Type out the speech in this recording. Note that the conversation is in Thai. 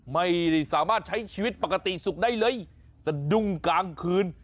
ไม่สามารถใช้ชีวิตปกติสุขได้เลยสะดุ้งกลางคืน